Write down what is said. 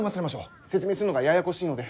説明するのがややこしいので。